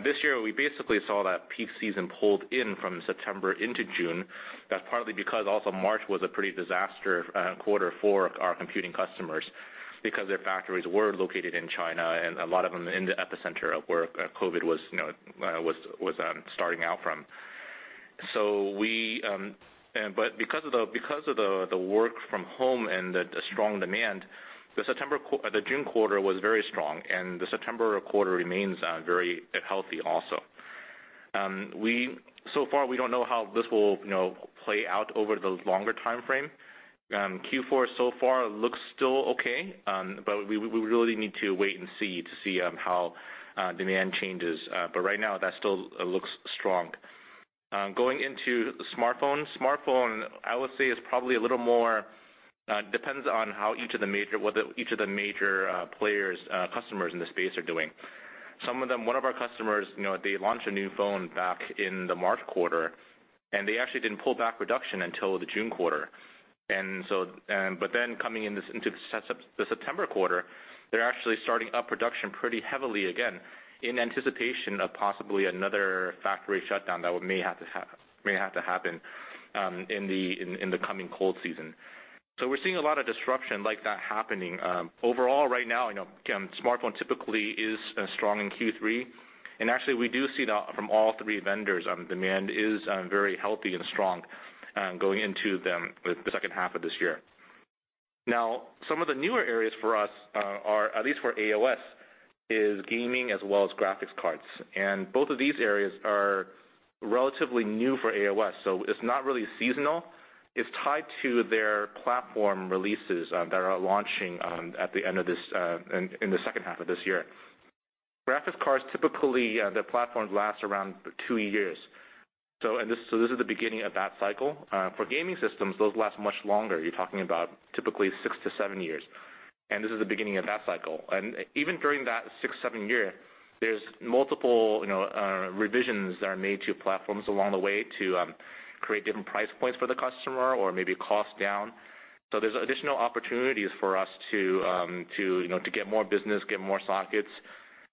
This year, we basically saw that peak season pulled in from September into June. That's partly because also March was a pretty disaster quarter for our Computing customers because their factories were located in China and a lot of them in the epicenter of where COVID-19 was starting out from. Because of the work from home and the strong demand, the June quarter was very strong, and the September quarter remains very healthy also. So far, we don't know how this will play out over the longer timeframe. Q4 so far looks still okay. We really need to wait and see to see how demand changes. Right now, that still looks strong. Going into the smartphone. Smartphone, I would say, is probably depends on what each of the major players, customers in the space are doing. One of our customers they launched a new phone back in the March quarter, and they actually didn't pull back production until the June quarter. Coming into the September quarter, they're actually starting up production pretty heavily again in anticipation of possibly another factory shutdown that may have to happen in the coming cold season. We're seeing a lot of disruption like that happening. Overall, right now, smartphone typically is strong in Q3. Actually, we do see that from all three vendors, demand is very healthy and strong going into the second half of this year. Some of the newer areas for us, at least for AOS, is gaming as well as graphics cards. Both of these areas are relatively new for AOS, it's not really seasonal. It's tied to their platform releases that are launching in the second half of this year. Graphics cards, typically, their platforms last around two years. This is the beginning of that cycle. For gaming systems, those last much longer. You're talking about typically six to seven years. This is the beginning of that cycle. Even during that six, seven year, there's multiple revisions that are made to platforms along the way to create different price points for the customer or maybe cost down. There's additional opportunities for us to get more business, get more sockets.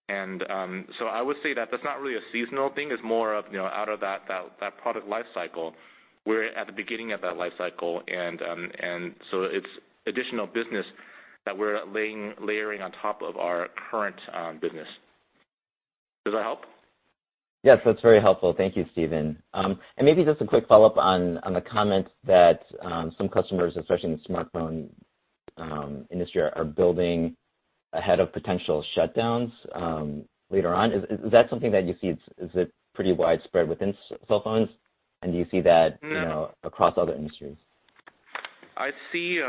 I would say that that's not really a seasonal thing, it's more of out of that product life cycle. We're at the beginning of that life cycle, and so it's additional business that we're layering on top of our current business. Does that help? Yes, that's very helpful. Thank you, Stephen. Maybe just a quick follow-up on the comments that some customers, especially in the smartphone industry, are building ahead of potential shutdowns later on. Is that something that you see? Is it pretty widespread within cell phones? Do you see that? across other industries? I see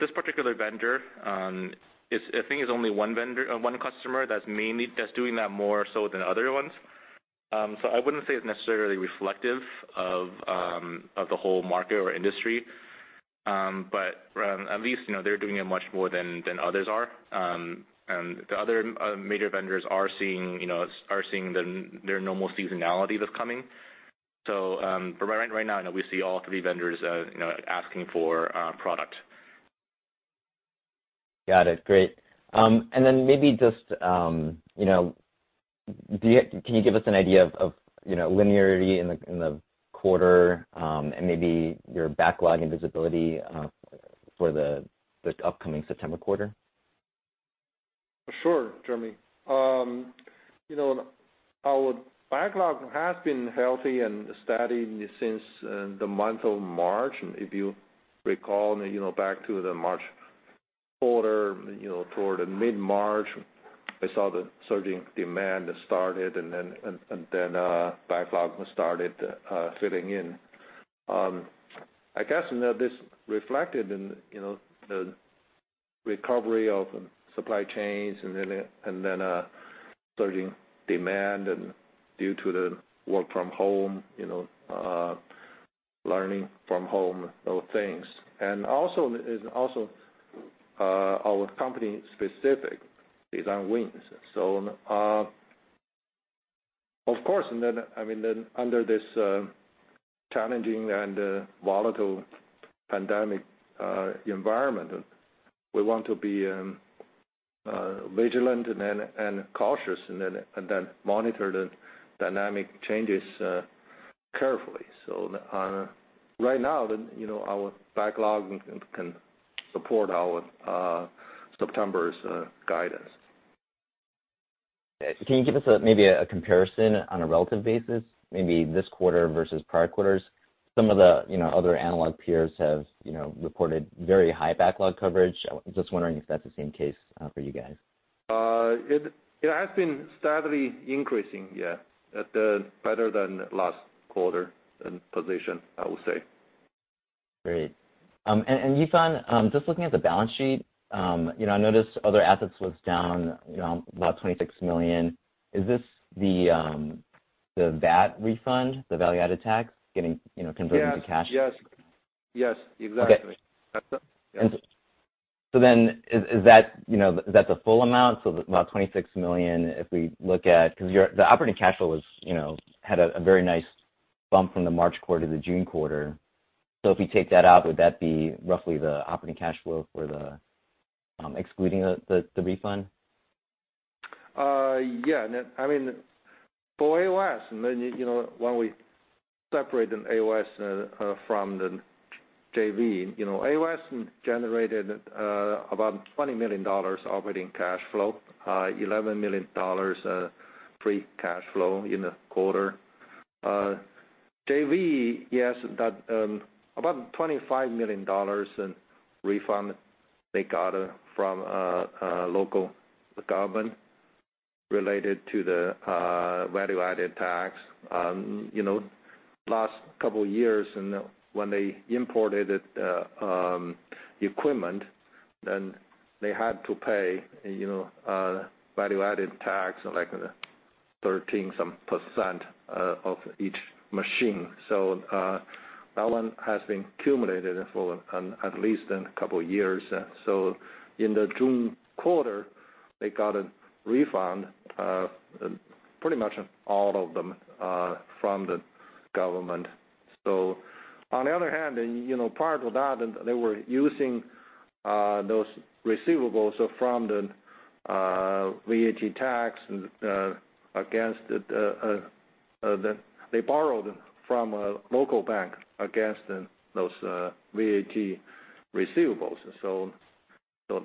this particular vendor. I think it's only one customer that's doing that more so than other ones. I wouldn't say it's necessarily reflective of the whole market or industry. At least they're doing it much more than others are. The other major vendors are seeing their normal seasonality that's coming. For right now, I know we see all three vendors asking for product. Got it. Great. Maybe just, can you give us an idea of linearity in the quarter? Maybe your backlog and visibility for the upcoming September quarter? Sure, Jeremy. Our backlog has been healthy and steady since the month of March. If you recall, back to the March quarter, toward mid-March, we saw the surging demand started, backlog started filling in. I guess this reflected in the recovery of supply chains, surging demand and due to the work from home, learning from home, those things. Also, our company specific design wins. Of course, under this challenging and volatile pandemic environment, we want to be vigilant and cautious, monitor the dynamic changes carefully. Right now, our backlog can support our September's guidance. Can you give us maybe a comparison on a relative basis, maybe this quarter versus prior quarters? Some of the other analog peers have reported very high backlog coverage. I'm just wondering if that's the same case for you guys. It has been steadily increasing, yeah. Better than last quarter position, I would say. Great. Yifan, just looking at the balance sheet, I noticed other assets was down about $26 million. Is this the VAT refund, the value-added tax getting converted to cash? Yes. Exactly. Okay. That's it. Yes. Is that the full amount? About $26 million, if we look at because the operating cash flow had a very nice bump from the March quarter to the June quarter. If we take that out, would that be roughly the operating cash flow for the excluding the refund? Yeah. For AOS, when we separate an AOS from the JV. AOS generated about $20 million operating cash flow, $11 million free cash flow in the quarter. JV, yes, about $25 million in refund they got from local government related to the value-added tax. Last couple years when they imported equipment, they had to pay value-added tax, like 13-some% of each machine. That one has been accumulated for at least a couple years. In the June quarter, they got a refund of pretty much all of them from the government. On the other hand, prior to that, they were using those receivables from the VAT tax. They borrowed from a local bank against those VAT receivables.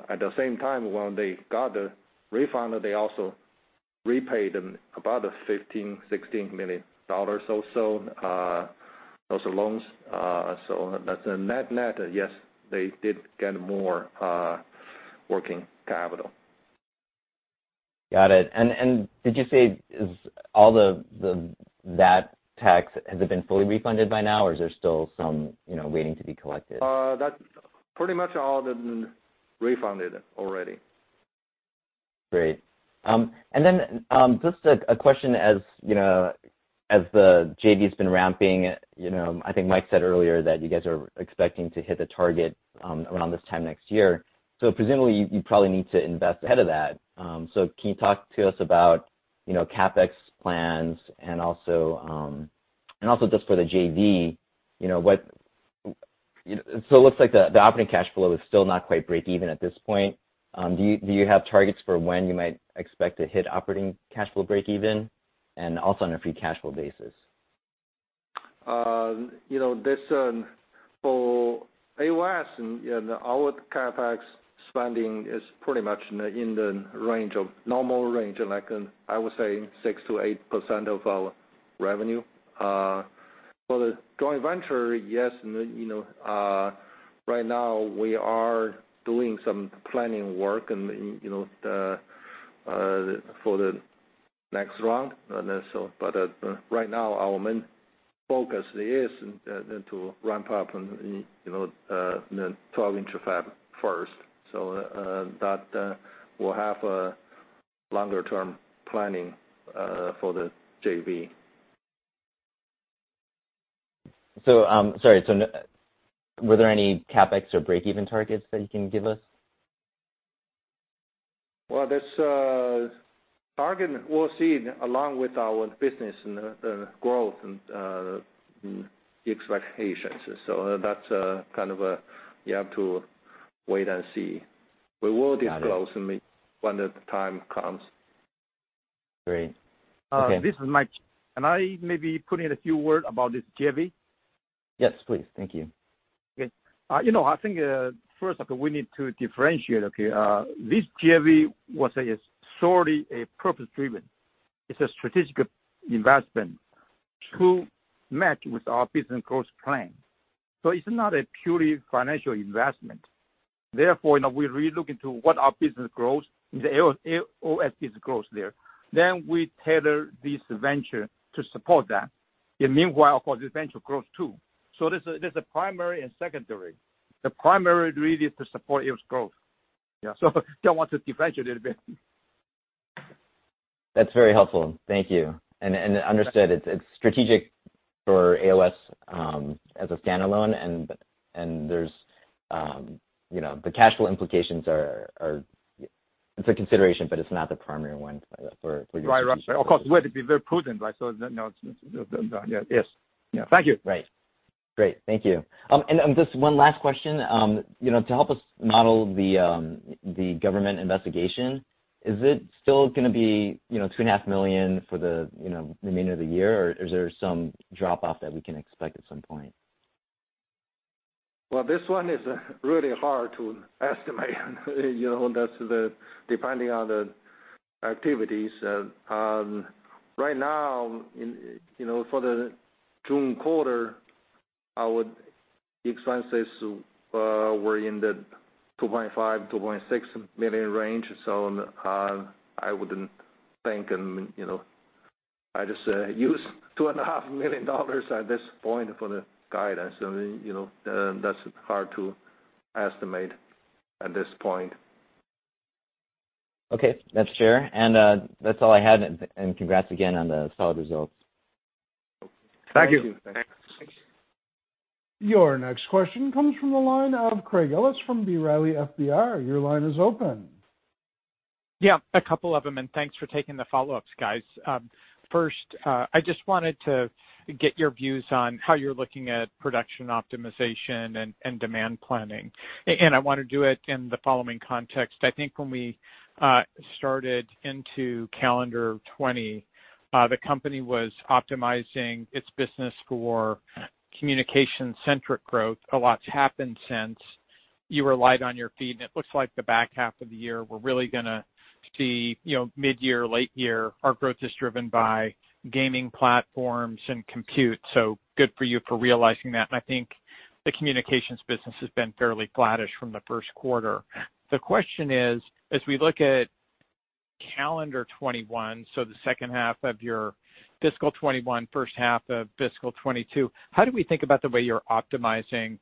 At the same time, when they got the refund, they also repaid about $15 million-$16 million or so. Those are loans. That's a net net. Yes, they did get more working capital. Got it. Did you say all the VAT tax, has it been fully refunded by now, or is there still some waiting to be collected? That's pretty much all refunded already. Great. Then just a question as the JV's been ramping, I think Mike said earlier that you guys are expecting to hit the target around this time next year. Presumably, you probably need to invest ahead of that. Can you talk to us about CapEx plans and also just for the JV. It looks like the operating cash flow is still not quite breakeven at this point. Do you have targets for when you might expect to hit operating cash flow breakeven? Also on a free cash flow basis. For AOS, our CapEx spending is pretty much in the normal range of, I would say, 6%-8% of our revenue. For the joint venture, yes, right now we are doing some planning work for the next round. Right now, our main focus is to ramp up the 12-inch fab first. That will have a longer-term planning for the JV. Sorry. Were there any CapEx or breakeven targets that you can give us? Well, that target we'll see along with our business and the growth and the expectations. That's kind of a you have to wait and see. Got it. We will disclose when the time comes. Great. Okay. This is Mike. Can I maybe put in a few word about this JV? Yes, please. Thank you. I think, first, we need to differentiate, okay? This JV was solely purpose-driven. It's a strategic investment to match with our business growth plan. It's not a purely financial investment. Therefore, we really look into what our business growth, the AOS business growth there. We tailor this venture to support that. Meanwhile, of course, this venture grows, too. There's a primary and a secondary. The primary really is to support its growth. Yeah. I want to differentiate a little bit. That's very helpful. Thank you. Understood, it's strategic for AOS, as a standalone, and the cash flow implications are a consideration, but it's not the primary one. Right. Of course, we have to be very prudent, right? Yes. Thank you. Right. Great. Thank you. Just one last question. To help us model the government investigation, is it still going to be two and a half million for the remainder of the year, or is there some drop-off that we can expect at some point? Well, this one is really hard to estimate. That's depending on the activities. Right now, for the June quarter, our expenses were in the $2.5 million-$2.6 million range. I wouldn't think, I just use $2.5 million at this point for the guidance. That's hard to estimate at this point. Okay. That's fair. That's all I had, and congrats again on the solid results. Thank you. Thank you. Thanks. Your next question comes from the line of Craig Ellis from B. Riley FBR. Your line is open. Yeah, a couple of them. Thanks for taking the follow-ups, guys. First, I just wanted to get your views on how you're looking at production optimization and demand planning. I want to do it in the following context. I think when we started into calendar 2020, the company was optimizing its business for Communication-centric growth. A lot's happened since. You were light on your feet, and it looks like the back half of the year, we're really going to see mid-year, late year, our growth is driven by gaming platforms and compute. Good for you for realizing that. I think the Communications business has been fairly flattish from the first quarter. The question is, as we look at calendar 2021, so the second half of your fiscal 2021, first half of fiscal 2022, how do we think about the way you're optimizing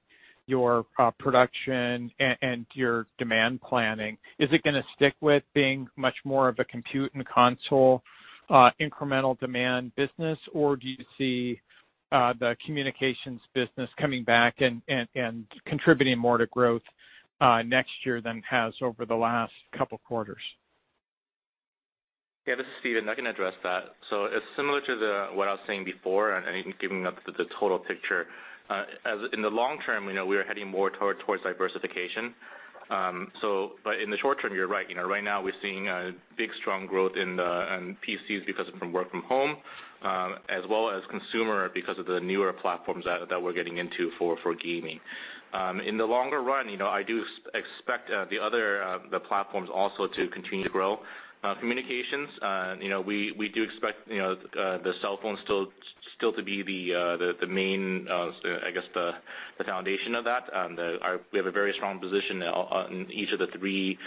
your production and your demand planning? Is it going to stick with being much more of a compute and console incremental demand business, or do you see the Communications business coming back and contributing more to growth next year than it has over the last couple quarters? This is Stephen. I can address that. It's similar to what I was saying before and even giving the total picture. In the long term, we are heading more towards diversification. In the short term, you're right. Right now, we're seeing a big strong growth in the PCs because from work from home, as well as Consumer because of the newer platforms that we're getting into for gaming. In the longer run, I do expect the platforms also to continue to grow. Communications, we do expect the cell phones still to be the main, I guess the foundation of that. We have a very strong position in each of the three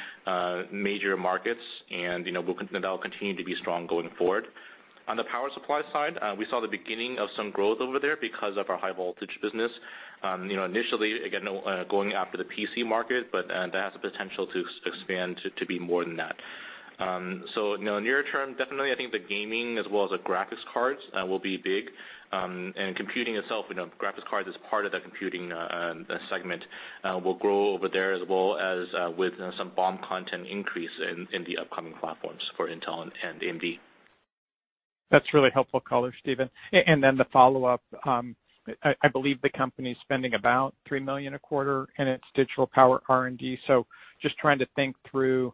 major markets, and that'll continue to be strong going forward. On the Power Supply side, we saw the beginning of some growth over there because of our high voltage business. Initially, again, going after the PC market, that has the potential to expand to be more than that. In the near term, definitely I think the gaming as well as the graphics cards will be big. Computing itself, graphics cards is part of that Computing segment, will grow over there as well as with some BOM content increase in the upcoming platforms for Intel and AMD. That's really helpful color, Stephen. The follow-up, I believe the company's spending about $3 million a quarter in its Digital Power R&D, just trying to think through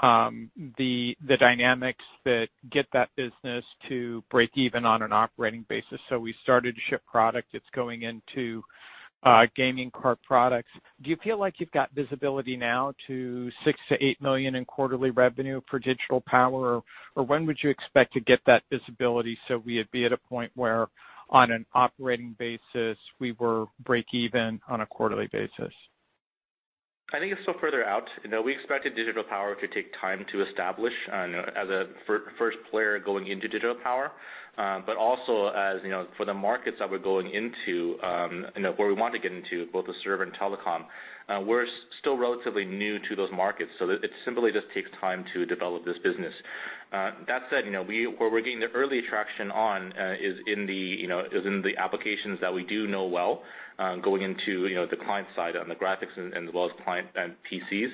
the dynamics that get that business to break even on an operating basis. We started to ship product, it's going into gaming card products. Do you feel like you've got visibility now to $6 million-$8 million in quarterly revenue for Digital Power? When would you expect to get that visibility so we would be at a point where, on an operating basis, we were break even on a quarterly basis? I think it's still further out. We expected Digital Power to take time to establish as a first player going into Digital Power. Also, as for the markets that we're going into, where we want to get into, both the server and telecom, we're still relatively new to those markets, it simply just takes time to develop this business. That said, where we're getting the early traction on is in the applications that we do know well, going into the client side on the graphics and as well as client PCs.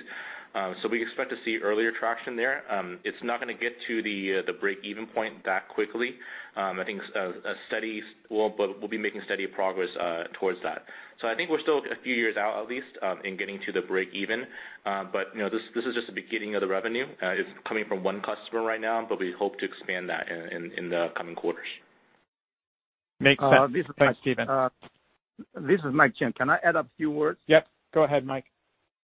We expect to see earlier traction there. It's not going to get to the break-even point that quickly. I think we'll be making steady progress towards that. I think we're still a few years out, at least, in getting to the break even. This is just the beginning of the revenue. It's coming from one customer right now, but we hope to expand that in the coming quarters. Makes sense. Thanks, Stephen. This is Mike Chang. Can I add a few words? Yep, go ahead, Mike.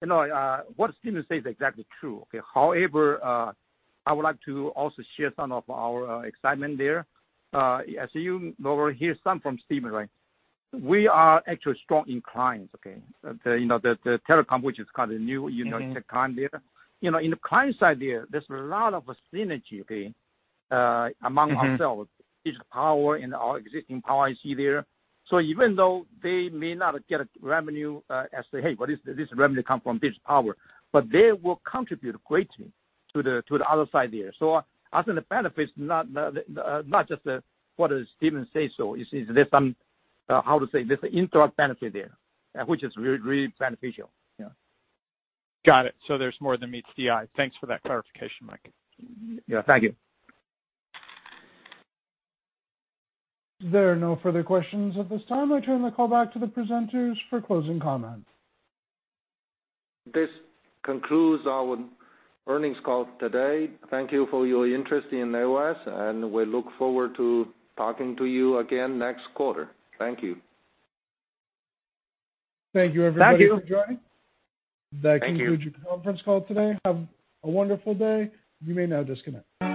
What Stephen says is exactly true, okay. I would like to also share some of our excitement there. As you overhear some from Stephen, right? We are actually strong in clients, okay. The telecom, which is kind of new datacom. In the client side there's a lot of synergy, okay, among ourselves, Digital Power and our existing Power IC there. Even though they may not get revenue as, say, hey, what is this revenue come from Digital Power? They will contribute greatly to the other side there. I think the benefit is not just what does Stephen say so, is there some, how to say, there's an internal benefit there. Which is really beneficial. Yeah. Got it. There's more than meets the eye. Thanks for that clarification, Mike. Yeah, thank you. There are no further questions at this time. I turn the call back to the presenters for closing comments. This concludes our earnings call today. Thank you for your interest in AOS, and we look forward to talking to you again next quarter. Thank you. Thank you, everybody, for joining. Thank you. That concludes your conference call today. Have a wonderful day. You may now disconnect.